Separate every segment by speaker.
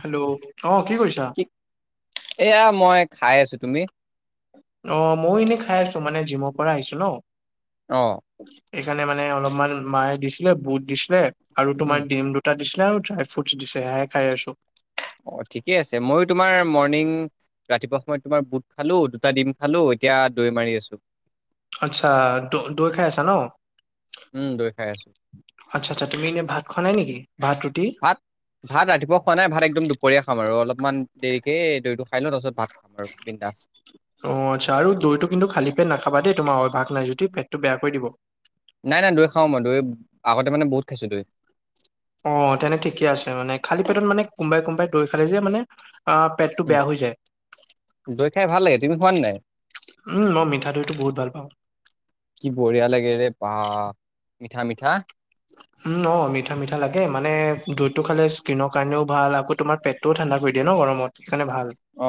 Speaker 1: Hello. অ কি কৰিছা?
Speaker 2: এয়া মই খাই আছো। তুমি?
Speaker 1: অ মইয়ো এনেই খাই আছো মানে জিমৰ পৰা আহিছো ন।
Speaker 2: অ।
Speaker 1: সেইকাৰণে মানে অলপমান মায়ে দিছিলে বুট দিছিলে আৰু
Speaker 2: উম
Speaker 1: তোমাৰ ডিম দু টা দিছিলে আৰু ড্ৰাই ফ্ৰুট দিছে সেয়াই খাই আছো।
Speaker 2: অ ঠিকেই আছে ময়ো তোমাৰ মৰ্ণিং ৰাতিপুৱা সময়ত তোমাৰ বুট খালো, দুটা ডিম খালো, এতিয়া দৈ মাৰি আছো।
Speaker 1: আচ্ছা দ দৈ খাই আছা ন?
Speaker 2: উম দৈ খাই আছো।
Speaker 1: আচ্ছা আচ্ছা তুমি এনে ভাত খোৱা নাই নেকি? ভাত ৰুটি?
Speaker 2: ভাত ভাত ৰাতিপুৱা খোৱা নাই ভাত একদম দুপৰীয়া খাম আৰু, অলপমান দেৰিকে দৈটো খাই লওঁ, তাৰপিছত ভাত খাম আৰু বিন্দাচ।
Speaker 1: অ আচ্ছা আৰু দৈতটো কিন্তু খালী পেট নাখাবা দেই তোমাৰ অভ্যাগ নাই যদি, পেটটো বেয়া কৰি দিব।
Speaker 2: নাই নাই দৈ খাওঁ মই দৈ আগতে মানে বহুত খাইছোঁ দৈ।
Speaker 1: অ তেনে ঠিকে আছে মানে, খালী পেটত মানে কোনোবাই কোনমবাই দৈ খালে যে মানে আহ পেটটো
Speaker 2: উম
Speaker 1: বেয়া হৈ যায়।
Speaker 2: দৈ খাই ভাল লাগে তুমি খোৱা নে নাই
Speaker 1: উম মই মিঠা দৈটো বহুত ভাল পাওঁ।
Speaker 2: কি বঢ়িয়া লাগে ৰে বা! মিঠা মিঠা।
Speaker 1: উম অ মিঠা মিঠা লাগে মানে যোনটো খালে স্কিনৰ কাৰণেও ভাল আকৌ তোমাৰ পেট ত ঠাণ্ডা কৰি দে ন গমত সেইকাৰে ভাল।
Speaker 2: অ।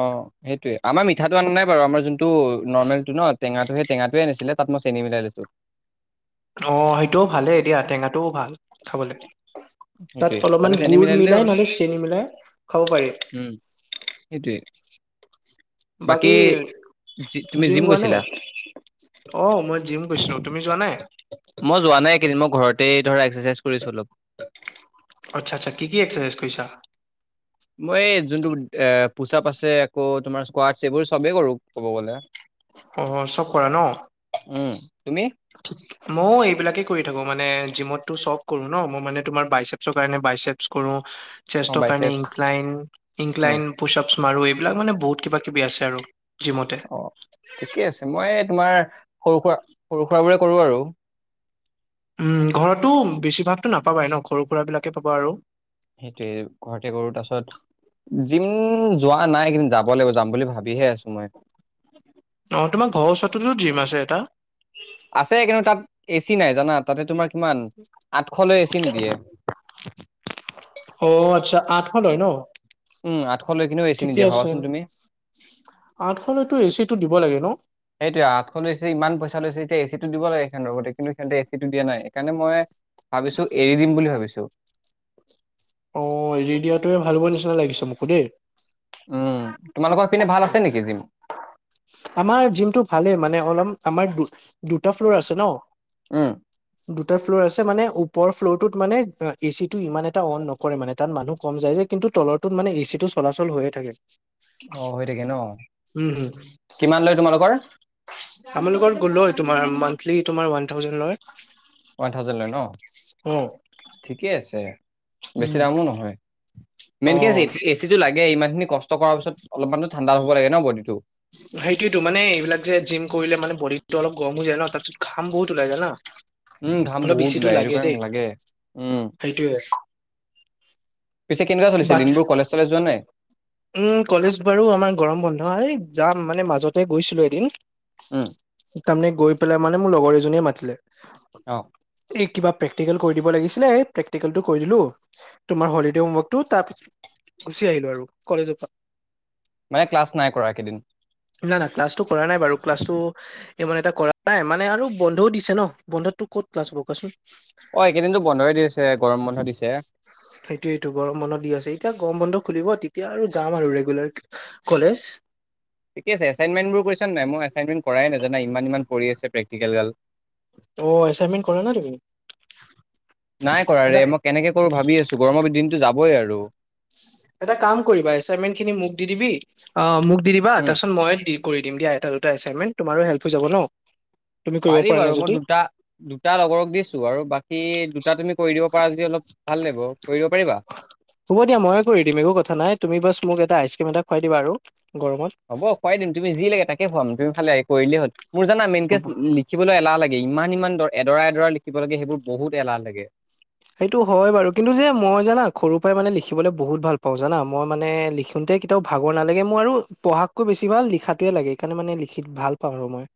Speaker 2: সেইটোৱে আমাৰ‌ মিঠটো আনা নাই বাৰু আমাৰ যোনটো নৰ্মেলটো ন টেঙাটো সেইটেঙাটোৱে আনিছিলে তাত মই চেনি মিলাই লৈছোঁ।
Speaker 1: অ সেইটোও ভালেই দিয়া টেঙাটোও ভাল খাবলৈ। তাত
Speaker 2: সেইটোৱে তাতে
Speaker 1: অলপমান
Speaker 2: চেনী
Speaker 1: গুৰ
Speaker 2: দিলেই
Speaker 1: মিলাই
Speaker 2: হ'ল
Speaker 1: নহ'লে চেনি মিলাই খাব পাৰি।
Speaker 2: উম সেইটোৱে।
Speaker 1: বাকী
Speaker 2: যি তুমি
Speaker 1: জিম গোৱা
Speaker 2: গৈছিলা
Speaker 1: নাই? অ মই জিম গৈছোঁ তুমি যোৱা নাই?
Speaker 2: মই যোৱা নাই এই কেইদিন মই ঘৰতে ধৰা এক্সাৰচাইজ কৰিছ অলপ।
Speaker 1: আচ্ছা আচ্ছ কি কি অক্সেচাইজ কৰিছা?
Speaker 2: মই এই যোনটো এ পোচাপ আছে আকৌ তোমাৰ স্কোৱাড এইবোৰ চবেই কৰো ক'ব গ'লে।
Speaker 1: অ চব কৰা ন?
Speaker 2: উম তুমি?
Speaker 1: [inaudible] ময় এইবিলাকে কৰি থাকো মানে জিমতো চব কৰো ন মই মানে তোমাৰ বাইছেপচৰ কাৰনে বাইচেপ কৰো,
Speaker 2: অ
Speaker 1: চেষ্টৰ কাৰণে
Speaker 2: biceps
Speaker 1: incline
Speaker 2: um
Speaker 1: incline push ups মাৰোঁ এইবিলাক মানে বহুত কিবা কিবি আছে আৰু জিমতে।
Speaker 2: অ ঠিকে আছে মই তোমাৰ সৰু-সুৰা, সৰু-সুৰাবোৰে কৰোঁ আৰু।
Speaker 1: উম ঘৰতো বেছিভাগতো নাপাবাাই ন সৰু-সুৰাবিলাকে পাবা আৰু।
Speaker 2: সেইটৱে ঘৰতে কৰো তাৰ পিছত জিম যোৱা নাই কিন্তু যাব লাগিব যাম বুলি ভাবিহে আছো মই।
Speaker 1: অ তোমাৰ ঘৰওচৰততো জিম আছে এটা?
Speaker 2: আছে কিন্তু তাত এ চি নাই জানা তাতে তোমাৰ কিমান আঠশলৈ এ চি নিদিয়ে।
Speaker 1: অ আচ্ছা আঠশ লয় ন?
Speaker 2: উম আঠশ লৈকেনেও এ চি নিদিয়ে ভাবাচোন তুমি।
Speaker 1: আঠশলৈতো এচিটো দিব লাগে ন?
Speaker 2: সেইটোয়ে আঠশ লৈছে ইমান পইচা লৈছে এতিয়া এ চি টো দিব লাগে সেখন লগতে কিন্তু সিঁতে এ চিটো দিয়া নাই সকাৰণে মই ভাবিছো এৰি দিম বুলি ভাবিছো।
Speaker 1: অ এৰিদিয়াটোৱে ভাল হব নিচিনা লাগিছে মোকো দেই।
Speaker 2: উম তোমালোকৰ হেপিনে ভাল আছে নেকি যিম?
Speaker 1: আমাৰ জিমটো ভালে মানে অলম আমাৰ দু দুটা ফ্ল'ৰ আছে ন।
Speaker 2: উম।
Speaker 1: দুটা ফ্ল'ৰ আছে মানে ওপৰ ফ্ল'ৰ টোত মানে এ এচি টো ইমান এটা অন নক কৰে মানে তাত মানুহ কম যায় যে কিন্তু তলৰটোত মানে এ চি টো চলাচল হৈয়ে থাকে।
Speaker 2: অ হয় থাকে ন কিমান লই তোমালোকৰ?
Speaker 1: তামানলোকৰ গ'লো হয় তোমাৰ মানথলি তোমাৰ ওৱান থাউজেন লয়।
Speaker 2: ওৱান থাউজেণ্ড লয় ন
Speaker 1: অ।
Speaker 2: ঠিকেই আছে। বেছি
Speaker 1: উম।
Speaker 2: দামো নহয়
Speaker 1: অ
Speaker 2: মেইনকে এটচ এচ এচি টো লাগে ইমানখিনি কষ্ট কৰাৰ পিছত অলপমানো ঠণ্ডা হব লাগে ন বদিটো।
Speaker 1: সেইটোয়েতো মানে এইবিলাক যে জিম কৰিলে মানে বদিতটো অলপ গৰম হৈ যায় ন তাৰপিছত ঘাম বহুত ওলাই যায় ন?
Speaker 2: উম ঘাম বহুত উলাই হেটো কাৰনে লাগে উম।
Speaker 1: সেইটোয়ে।
Speaker 2: পিছে কেনেকুৱা চলিছে
Speaker 1: বাকী
Speaker 2: দিনবোৰ কলেজ চলেজ যোৱা নাই?
Speaker 1: উম কলেজ বাৰু আমাৰ গৰম বন্ধ হয় যাম মানে মাজতে গৈছিলো এদিন
Speaker 2: ও
Speaker 1: তাৰমানে গৈ পেলাই মানে মোৰ লগৰ এজনীয়ে মাতিলে।
Speaker 2: অঁ
Speaker 1: এই কিবা প্ৰেক্টিকেল কৰি দিব লাগিছিলে। এই প্ৰেক্টিকেলটো কৰি দিলো। তোমাৰ হলিডে হোমৱৰ্কটো তাত গুচি আহিলো আৰু কলেজৰ পা।
Speaker 2: নাই ক্লাছ নাই কৰা একেইদিন।
Speaker 1: না না ক্লাছটো কৰা নাই বাৰু ক্লাছটো। এই মানে এটা কৰা নাই মানে আৰু বন্ধও দিছে ন বন্ধতটো ক'ত ক্লাছ হব কোৱাচোন।
Speaker 2: অ এইকেইদিনো বন্ধই দিছে গৰম বন্ধ দিছে।
Speaker 1: সেইটোয়েইটো গৰম বন্ধ দি আছে এতিয়া গৰম বন্ধ খুলিব তেতিয়া আৰু যাম আৰু ৰেগুলাৰ। কলেছ?
Speaker 2: ঠিকে আছে এছাইনমেণ্ট বোৰ কৰিছা নে নাই মই এছাইনমেণ্ট কৰাই নাই জানা ইমান ইমান পৰি আছে প্ৰেক্টিকেল গাল।
Speaker 1: অ এচাইনমেণ্ট কৰা নাই তুমি
Speaker 2: নাই কৰা ৰে
Speaker 1: এটা এ
Speaker 2: মই কেনেকে কৰো ভাবি আছো গৰমৰ ব দিনতো যাবই আৰু।
Speaker 1: এটা কাম কৰিবা এচাইনমেন্ট খিনি মোক দি দিবি অ মোক দি দিবা
Speaker 2: উম,
Speaker 1: তাৰপিছত মই দিম কৰি দিম দিয়া এটা দুটা এছাইনমেণ্ট তোমাৰো হেল্প হৈ যাব ন তুমি কৰিব
Speaker 2: পাৰি
Speaker 1: পৰা
Speaker 2: বাৰু
Speaker 1: নাই
Speaker 2: মই
Speaker 1: যদি।
Speaker 2: দুটা দুটা লগৰক দিছো আৰু বাকী দুটা তুমি কৰি দিব পাৰা যদি অলপ ভাল লাগিব কৰিব দিব পাৰিবা।
Speaker 1: হ'ব দিয়া মইয়ে কৰি দিম একো কথা নাই তুমি বছ মোক এটা আইচক্ৰীম এটা খুৱাই দিবা আৰু গৰমত।
Speaker 2: হ'ব খুৱাই দিম তুমি যি লাগে তাকে খুৱাম। তুমি ফালে কৰিলেই হ'ল মোৰ জানা
Speaker 1: হ'ব
Speaker 2: মেইনকেচ লি খিবলৈ এলাহ লাগে ইমান ইমানন দ এডৰা এডৰা লিখিব লাগে সেইবোৰ বহুত এলাহ লাগে।
Speaker 1: সেইটো হয় বাৰু কিন্তু যে মই জানা খৰুৰ পৰাই মানে লিখিবলৈ বহুত ভাল পাওঁ জানা মই মানে লিখোনতে। তেও ভাগৰ নালাগে আৰু মোৰ পঢ়াতকৈ বেছি ভাল লিখাতোৱে লাগে। সেইকাৰনে মানে লিখি ভাল পাওঁ আৰু মই।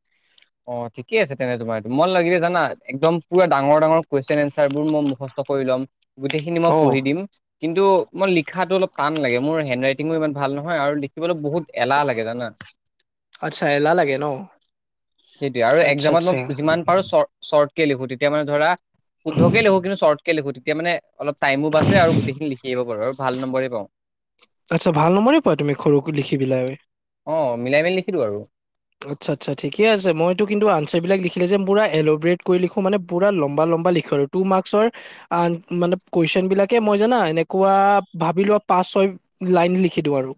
Speaker 2: অ ঠিকে আছে তেনে তোমাৰ মই লাগিলে জানা একদম পুৰা ডাঙৰ ডাঙৰ কুৱেশন এনচাৰ বোৰ মোৰ মুখচ মুখষ্ট কৰি ল'ম গোটেইখিনি মই
Speaker 1: অ
Speaker 2: পঢ়ি দিম। কিন্তু মো‌ই লিখাটো অলপ টান লাগে। মোৰ হেণ্ডৰাইটিঙো ইমান ভাল নহয় আৰু লিখিবলৈ বহুত- এলাহ লাগে জানা।
Speaker 1: আচ্ছা, এলাহ লাগে ন?
Speaker 2: সেইটোৱে আৰু
Speaker 1: আচ্ছা
Speaker 2: একজামত
Speaker 1: আচ্ছা
Speaker 2: মই যিমান পাৰো চৰ্ট চৰ্টকে লিখো তেতিয়া মানে ধৰা - শুদ্ধকে লিখো কিন্তু চৰ্টকে লিখো তেতিয়া মানে অলপ টাইমো বাছে আৰু গোটেইখিনি লিখি আহিব পাৰো আৰু ভাল নম্বৰে পাওঁ।
Speaker 1: আচ্ছা ভাল নন্বৰে পোৱা তুমি সৰুকে লিখি দিলেও।
Speaker 2: অ মিলাই মেলি লিখি দিওঁ আৰু।
Speaker 1: আচ্ছা আচ্ছা ঠিকে আছে মইতো কিন্তু এঞ্ছাৰ বিলাক লিখিলে যে পুৰা এল'ব্ৰট কৰি লিখো মানে পুৰা লম্বা লম্বা লিখো আৰু। টু মাৰ্কচৰ মানে কুৱেশন বিলাকে মই জানা এনেকুৱা ভাবি লোৱা পাঁচ ছয়- লাইন লিখি দিওঁ আৰু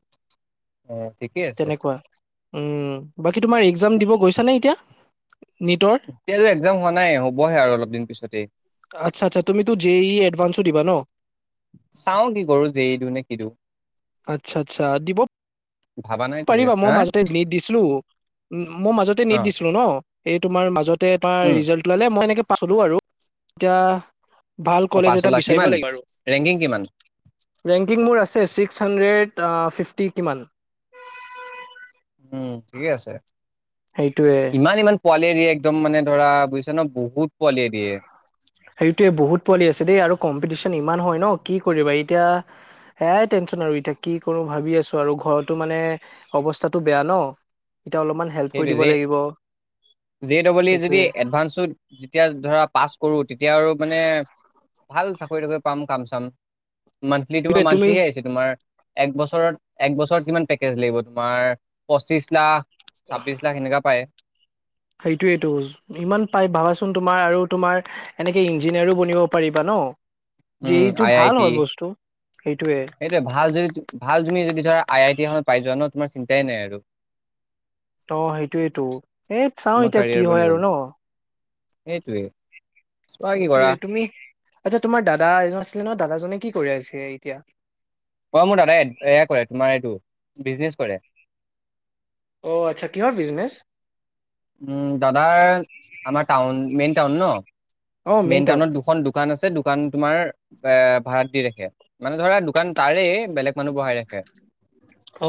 Speaker 2: অ ঠিকে আছে
Speaker 1: তেনেকুৱা, উম। বাকী তোমাৰ একজাম দিব গৈছা নে এতিয়া নীটৰ?
Speaker 2: এতিয়া যে এক্জাম হোৱা নাই হ'বহে আৰু অলপ দিন পিছতে।
Speaker 1: আচ্ছা আচ্ছা তুমিতো জে ই এডভান্সো দিবা ন?
Speaker 2: চাও কি কৰো জে ই টো।
Speaker 1: আচ্ছা আচ্ছা দিব
Speaker 2: ভাবা নাই এতিয়ালৈকে
Speaker 1: পাৰিবা মই
Speaker 2: হা
Speaker 1: মাজতে নিট দিছিলো। মই মাজতে নিট
Speaker 2: অ
Speaker 1: দিছিলো ন। এই তোমাৰ মাজতে তাৰ
Speaker 2: উম
Speaker 1: ৰিজাল্ট ওলালে মই এনেকে পাছ হলো আৰু। এতিয়া ভাল
Speaker 2: অ',
Speaker 1: কলেজ
Speaker 2: পাঁচ
Speaker 1: এটা
Speaker 2: লাখ
Speaker 1: বিচাৰিব
Speaker 2: কিমান
Speaker 1: লাগিব আৰু।
Speaker 2: ৰেংকিং কিমান
Speaker 1: ৰেংকিং মোৰ আছে ছিক্স হাণ্ড্ৰেড ফিফটি কিমান।
Speaker 2: উম ঠিকেই আছে।
Speaker 1: সেইটোৱে
Speaker 2: ইমান ইমান পোৱালিয়ে দিয়ে একদম মানে ধৰা বুজিছা নে বহুত পোৱালিয়ে দিয়ে।
Speaker 1: সেইটোৱে বহুত পোৱালি আছে দেই আৰু কম্পিটিচন ইমান হয় ন কি কৰিবা এতিয়া সেয়াই টেনচন আৰু এতিয়া কি কৰো ভাবি আছো আৰু ঘৰতো মানে অৱস্থাতটো বেয়া ন। এতিয়া অলপমান- হেল্প কৰি
Speaker 2: সেইটো
Speaker 1: দিব
Speaker 2: জে,
Speaker 1: লাগিব
Speaker 2: জে ডবল ই যদি
Speaker 1: সেইটোৱে
Speaker 2: এডভাঞ্চো- যেতিয়া ধৰা পাছ কৰোঁ তেতিয়া আৰু মানে- ভাল চাকৰি তাকৰি পাম কাম চাম, মান্থলিটো আও
Speaker 1: সেইটোৱে। তুমি
Speaker 2: মান্থলিয়ে আহিছে তোমাৰ - এক বছৰত এক বছৰত কিমান পেকেজ লাগিব তোমাৰ পঁচিশ লাখ ছাব্ববিছ লখ হেনেকা পায়।
Speaker 1: সেইটোৱেটো সিমান পাই ভাবাচোন তোমাৰ আৰু তোমাৰ এনেকে ইঞ্জিনিয়াৰো বনিব পাৰিবা ন জে
Speaker 2: উম,
Speaker 1: ই টো
Speaker 2: আই আই
Speaker 1: ভাল
Speaker 2: টি
Speaker 1: হয় বস্তু সেইটোৱে।
Speaker 2: সেইটোৱে ভাল যদি ভাল তুমি যদি ধৰা আই আই টি এখন পাই যোৱা ন তোমাৰ চিন্তাই নাই আৰু।
Speaker 1: ত সেইটোৱেতো, এ চাও
Speaker 2: তোমাৰ
Speaker 1: এতিয়া
Speaker 2: কেৰিয়াৰ
Speaker 1: কি
Speaker 2: বনি
Speaker 1: হয়
Speaker 2: গ'ল
Speaker 1: আৰু ন?
Speaker 2: সেইটোৱে। চোৱা কি কৰা।
Speaker 1: সেইটোৱে তুমি, আচ্ছা তোমাৰ দাদা এজন আছিলে নহয়, দাদাজনে কি কৰি আছে এতিয়া?
Speaker 2: অ মোৰ দাদাই এয়া কৰে তোমাৰ এইটো বিজনেচ কৰে।
Speaker 1: অঁ আচ্ছা কিহৰ বিজনেছ?
Speaker 2: উম দাদা আমাৰ টাউন মেইন টাউন ন
Speaker 1: অ
Speaker 2: মেইন
Speaker 1: টাউন
Speaker 2: টাউনত দুখন দু দোকান আছে দোকান তোমাৰ ভাড়াত দি ৰাখে। মানে ধৰা দোকান তাৰে বেলেগ মানুহ বহাই ৰাখে।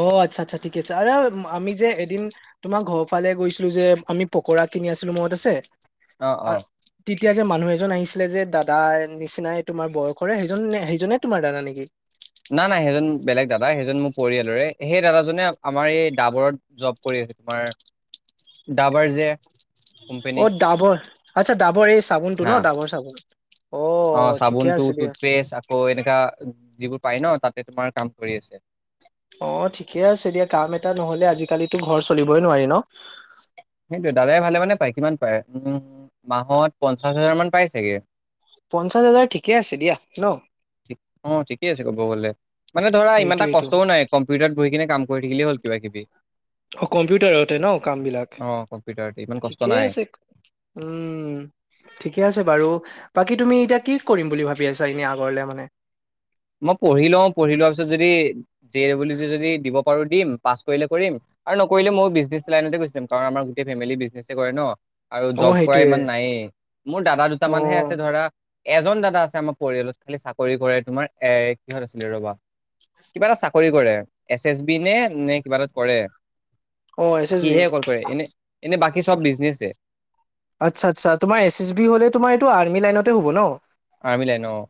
Speaker 1: অ আচ্ছা আচ্ছা ঠিক আছে আৰু আমি যে এদিন - তোমাৰ ঘৰ ফালে গৈছিলো যে আমি পকৰা কিনি আছিলো মনত আছে?
Speaker 2: অ', অ',
Speaker 1: তেতিয়া যে মানুহ এজন আহিছিলে যে দাদা নিচিনাই তোমাৰ বয়সৰে সেইজন সেইজনে তোমাৰ দাদা নেকি?
Speaker 2: নাই নাই সেইজন বেলেগ দাদা সেইজন মোৰ পৰিয়ালৰে সেই দাদাজনে আমাৰ এই ডাবৰত জব কৰি আছোঁ, তোমাৰ ডাবাৰ যে [inaudible]
Speaker 1: অ! ডাবৰ আচ্ছা ডাবৰ এই চাবোনটো ন
Speaker 2: হা
Speaker 1: ডাবৰ চাবোন। [inaudible]
Speaker 2: অ!
Speaker 1: ঠিকে
Speaker 2: চাবোনটো,
Speaker 1: আছে দিয়া
Speaker 2: টুথপেষ্ট আকৌ এনেকা যিবোৰ পাই ন তাতে তোমাৰ কাম কৰি আছে। [inaudible]
Speaker 1: অ! ঠিকে আছে দিয়া। কাম এটা নহলে আজিকালিতো ঘৰ চলিবই নোৱাৰি ন? [inaudible]
Speaker 2: সেইটো দাদাই ভালে মানে পায়। কিমান পায় উম মাহত পঞ্চাশ হাজাৰ মান পাই চাগে। [inaudible]
Speaker 1: পঞ্চাশ হাজাৰ ঠিকে আছে দিয়া ন? [inaudible]
Speaker 2: অঁ! ঠিকে আছে কব গ'লে। মানে ধৰা ইমান
Speaker 1: এইটো
Speaker 2: এটা
Speaker 1: এইটো
Speaker 2: কষ্টও নাই কম্পিউটাৰত বহি কিনে কাম [unintelligible] কৰি থাকিলেই হ'ল কিবাকিবি। [unintelligible]
Speaker 1: অ! কম্পিউটাৰতে ন কামবিলাক
Speaker 2: অ' কম্পিউটাৰতে ইমান কষ্ট
Speaker 1: ঠিকে
Speaker 2: নাই।
Speaker 1: আছে। [unintelligible] উম। [inaudible] ঠিকে আছে বাৰু। বাকী তুমি এতিয়া কি কৰিম বুলি ভাবি আছা এনে আগৰলে মানে? [unintelligible]
Speaker 2: মই পঢ়ি লওঁ। পঢ়ি লোৱাৰ পিছত যদি জে এ ডব্লউটি যদি দিব পাৰোঁ দিম। পাছ কৰিলে কৰিম [unintelligible] আৰু নকৰিলে ময়ো বিজনেছ লাইনতে গুচি যাম কাৰণ আমাৰ গোটেই ফেমিলি বিজনেছ কৰে ন। [inaudible] আৰু
Speaker 1: অ
Speaker 2: জব কৰা
Speaker 1: সেইটোয়ে
Speaker 2: ইমান নায়েই। মোৰ দাদা
Speaker 1: অ
Speaker 2: দুটামানহে আছে ধৰা। [inaudible] এজন দাদা আছে আমাৰ পৰিয়ালত খালি চাকৰি কৰে তোমাৰ এ কিহঁত আছিলে ৰবা। [inaudible] কিবা এটা চাকৰি কৰে এছএছবি নে নে কিবা এটা কৰে। [inaudible]
Speaker 1: অ এছ এছ বি
Speaker 2: সিহে অকল কৰে। এনে-এনে বাকী চব বিজনেছে। [unintelligible]
Speaker 1: আচ্ছা-আচ্ছা। তোমাৰ এছ এছ বি হলে তোমাৰ এইটো আৰ্মি লাইনতে হব ন? [inaudible]
Speaker 2: আৰ্মি লাইন অঁ।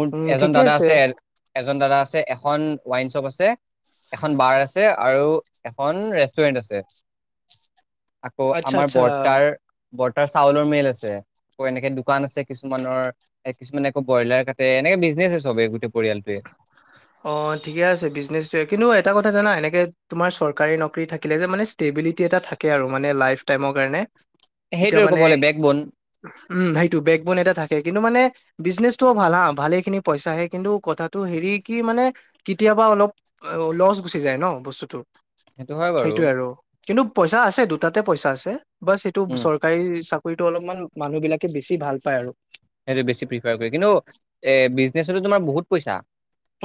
Speaker 2: মোৰ
Speaker 1: উম
Speaker 2: এজন
Speaker 1: ঠিকে
Speaker 2: দাদা আছে [unintelligible] এজন দাদা আছে এখন ৱাইন শ্বপ আছে। [inaudible] এখন বাৰ আছে আৰু এখন ৰেষ্টুৰেণ্ট আছে। [inaudible] আকৌ
Speaker 1: আচ্ছা
Speaker 2: আমাৰ
Speaker 1: আচ্ছা
Speaker 2: বৰ্তাৰ [inaudible] বৰ্তাৰ চাউলৰ মিল আছে আকৌ এনেকে দোকান আছে কিছুমানৰ [inaudible] এ কিছুমান আকৌ ব্ৰইলাৰ কাটে। এনেকে বিজনেছে চবে গোটেই পৰিয়ালটোৱে। [inaudible]
Speaker 1: হয় [inaudible] অ ঠিকে আছে বিজনেছটোৱে। কিন্তু এটা কথা জানা এনেকে তোমাৰ চৰকাৰী নকৰী থাকিলে যে মানে [inaudible] টেবিলিটি এট থাকে আৰু মানে লাই টাইমৰ কাৰণে। তেতিয়া
Speaker 2: সেইটোৱে
Speaker 1: মানে
Speaker 2: ক'বলে বেক বন
Speaker 1: [unintelligible] উম! সেইটো বেক বোন এটা থাকে। কিন্তু মানে [inaudible] বিজনেছটো ভাল হা ভালেখিনি পইচা আহে কিন্তু কথা [inaudible] ত হেৰি কি মানে কেতিয়াবা অলপ লচ গুচি যায় ন বস্তুটো।
Speaker 2: সেইটো হয়
Speaker 1: [inaudible]
Speaker 2: বাৰু
Speaker 1: সেইটোৱেই আৰু কিন্তু পইচা আছে দুটাতে পইচা আছে বাচ এইটো
Speaker 2: উম
Speaker 1: চৰ [inaudible] কাৰী চাকৰিটো অলপমান মানুহ বিলাকে বেছি ভাল পায় আৰু। [inaudible]
Speaker 2: সেইটো বেছি প্ৰিফাৰ কৰে। কিন্তু এ বিজনেছতো তোমাৰ বহুত পইচা। [inaudible]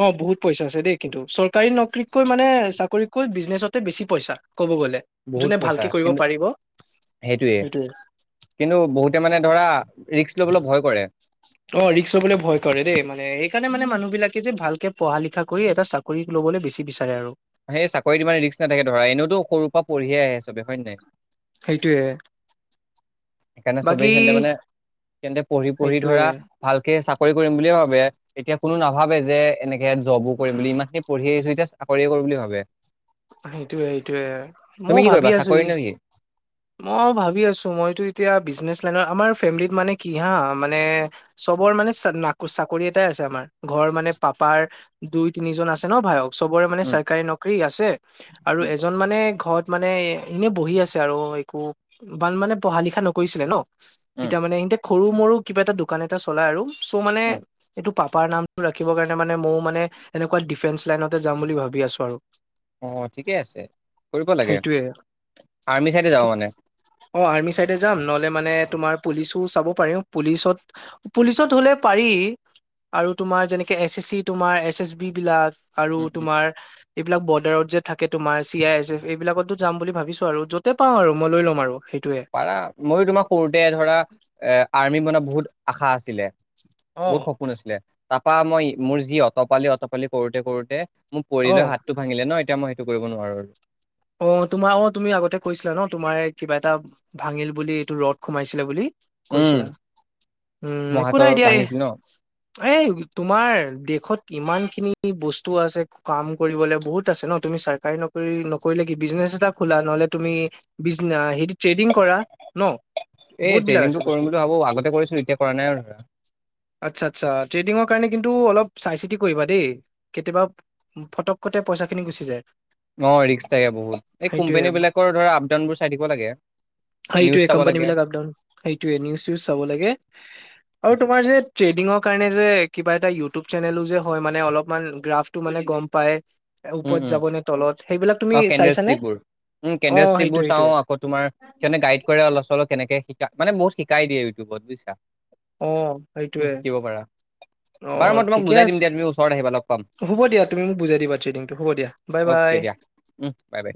Speaker 1: অঁ! বহুত পইচা আছে দেই কিন্তু। চৰকাৰী নকৰীতকৈ মানে চাকৰিতকৈ বিজনেছতে বেছি পইছা ক'ব গ'লে। [unintelligible]
Speaker 2: বহুত
Speaker 1: যোনে
Speaker 2: পইচা
Speaker 1: ভালকে কৰিব
Speaker 2: কিন্তু
Speaker 1: পাৰিব।
Speaker 2: সেইটোয়ে
Speaker 1: সেইটোৱেই [unintelligible]
Speaker 2: কিন্তু বহুতে মানে ধৰা ৰিক্স লবলৈ ভয় কৰে। [inaudible]
Speaker 1: অঁ! ৰিক্স লবলে ভয় কৰে দেই মানে সেইকাৰণে মানে মানুহ বিলাকে যে ভালকে পঢ়া, লিখা কৰি এটা চাকৰি [inaudible] কৰি ল'বলৈ বেছি বিচাৰে আৰু। [inaudible]
Speaker 2: সেই চাকৰিত ইমান ৰিক্স নাথাকে ধৰা এনেওতো সৰুৰ পৰা পঢ়িয়ে আহে চবে হয় নে নাই? [inaudible]
Speaker 1: সেইটোৱে। [inaudible]
Speaker 2: সেইকাৰণে চবেই সিহঁতে মানে সিহঁতে পঢ়ি-পঢ়ি
Speaker 1: সেইটোয়ে
Speaker 2: ধৰা [unintelligible] ভালকে চাকৰি কৰিম বুলিয়ে ভাবে এতিয়া কোনো নাভাবে যে [unintelligible] এনেকে জবো কৰিম বুলি ইমানখিনি পঢ়ি আহিছোঁ এতিয়া চাকৰিয়ে কৰিম বুলি ভাবে। [inaudible]
Speaker 1: সেইটোৱে-সেইটোৱে।
Speaker 2: তুমি
Speaker 1: ময়ো
Speaker 2: কি
Speaker 1: ভাবি
Speaker 2: কৰিবা
Speaker 1: আছো
Speaker 2: চাকৰি
Speaker 1: ই
Speaker 2: নে কি
Speaker 1: [unintelligible] মই ভাবি আছো মইতো এতিয়া বিজনেচ লাইন আমাৰ ফেমিলত মানে কি হা মানে [inaudible] চবৰ মানে চাকৰি এটাই আছে আমাৰ ঘৰ মানে পাপাৰ দুই তিনিজন আছে ন ভায়ক চবৰে মানে
Speaker 2: উম
Speaker 1: চৰকাৰী নকৰি আছে আৰু
Speaker 2: উম
Speaker 1: এজন মানে ঘৰত মানে এনে বহি আছে আৰু একো ইমান মানে পঢ়া লিখা নকৰিছিলে ন
Speaker 2: উম
Speaker 1: এতিয়া মানে ইনতে সৰু মৰু কিবা এটা দোকান এটা চলাই আৰু চ' মানে
Speaker 2: উম
Speaker 1: এইটো পাপাৰ নামটো ৰাখিবৰ কাৰণে মানে মও মানে এনেকুৱা ডিফেন্স লাইনতে যাম বুলি ভাবি আছো আৰু
Speaker 2: অঁ ঠিকে আছে কৰিব লাগে
Speaker 1: সেইটোয়ে
Speaker 2: আৰ্মি ছাইডে যাব
Speaker 1: ঠিক
Speaker 2: মানে
Speaker 1: অ আৰ্মি চাইডে যাম নহলে মানে তোমাৰ পুলিচো চাব পাৰো পুলিচত পুলিচত হলে পাৰি আৰু তোমাৰ যেনেকে এছ এছ চি তোমাৰ এছ এছ বি বিলাক আৰু
Speaker 2: উম উম
Speaker 1: তোমাৰ এইবিলাক বৰ্ডাৰত যে থাকে তোমাৰ চি আই এছ এফ এইবিলাকতো যাম বুলি ভাবিছো আৰু য'তে পাওঁ আৰু মই লৈ ল'ম আৰু সেইটোয়ে
Speaker 2: মইও তোমাৰ সৰুতে ধৰা এ আৰ্মি বনোৱা বহুত আশা আছিলে
Speaker 1: অ
Speaker 2: বহুত সপো পোন আছিলে তাৰ পৰা মই মোৰ যি অতপালি অতপালি কৰোতে কৰোতে মোৰ পৰিলৈ
Speaker 1: অ
Speaker 2: হাত টো ভাঙিলে ন এতিয়া মই সেইটো কৰিব নোৱাৰো আৰু
Speaker 1: অ তোমাৰ অ তুমি আগতে কৈছিলা ন তোমাৰ এ কিবা এটা ভাঙিল বুলি এইটো ৰদ সোমাইছিলে বুলি
Speaker 2: উম
Speaker 1: কৈছিলা উম
Speaker 2: মোৰ
Speaker 1: একো
Speaker 2: হাতৰ
Speaker 1: নাই দিয়া এই
Speaker 2: ভাঙিছিল ন
Speaker 1: এই তোমাৰ দেশত ইমান খিনি বস্তু আছে কাম কৰিবলে বহুত আছে ন তুমি চাই ট্ৰাই নকৰি ন কৰিলে কি বিজনেছ এটা খোলা নহলে তুমি বিজ না ট্ৰেডিং কৰা ন
Speaker 2: এই
Speaker 1: বহুত বিলাক আছে
Speaker 2: ট্ৰেডিংটো
Speaker 1: বস্তু
Speaker 2: কৰিম বুলি ভাবো আগতে কৰিছো এতিয়া কৰা নাই আৰু ধৰা
Speaker 1: আচ্ছা আচ্ছা ট্ৰেডিঙৰ কাৰণে কিন্তু অলপ চাই চিতি কৰিবা দেই কেতিয়াবা ফটককতে পইচা খিনি গুচি যায়।
Speaker 2: অ ৰিক্সা থাকে বহুত এই
Speaker 1: সেইটোয়ে
Speaker 2: কোম্পেনী বিলাকৰ ধৰা আপ ডাউন বোৰ চাই থাকিব লাগে।
Speaker 1: হয়
Speaker 2: নিউজ
Speaker 1: এইটোৱেই
Speaker 2: চাব
Speaker 1: কোম্পানী
Speaker 2: লাগে
Speaker 1: বিলাকৰ আপ সেইটোৱেই নিউজ চিউজ চাব লাগে। আৰু
Speaker 2: সেইটো
Speaker 1: তোমাৰ ট্ৰেডিংৰ কাৰণে যে কিবা এটা ইউটিউব চেনেলো যে হয় মানে অলপমান গ্ৰাফ টো মানে গম পাই
Speaker 2: উম
Speaker 1: ওপৰত
Speaker 2: উম
Speaker 1: যাব নে তলত সেইবিলাক তুমি
Speaker 2: অ
Speaker 1: চাইছানে?
Speaker 2: কেন্ডেলষ্টিক বোৰ ও
Speaker 1: অ
Speaker 2: কেন্ডেল ষ্টিক
Speaker 1: সেইটোৱে
Speaker 2: বোৰ চাও
Speaker 1: সেইটোৱে
Speaker 2: আকৌ তোমাৰ সিহতে গাইড কৰে অলপ চলপ কেনেকে শিকা মানে বহুত শিকাই দিয়ে ইউটিউবত বুজিছা
Speaker 1: অ
Speaker 2: তুমি
Speaker 1: সেইটোৱে
Speaker 2: শিকিব পাৰা বাৰু
Speaker 1: অ
Speaker 2: মই তোমাক
Speaker 1: ঠিকে
Speaker 2: বুজাই দিম
Speaker 1: আছে
Speaker 2: দিয়া তুমি ওচৰত আহিবা লগ পাম
Speaker 1: হ'ব দিয়া তুমি মোক বুজাই দিবা ট্ৰেডিংটো হ'ব দিয়া। বাই
Speaker 2: অ'কে দিয়া
Speaker 1: বাই।
Speaker 2: উহ বাই বাই